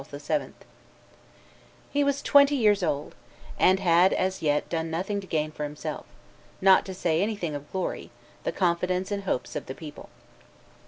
[Illustration: The Shepherdess of Domremy 90] He was twenty years old, and had as yet done nothing to gain for himself, not to say anything of glory, the confidence and hopes of the people.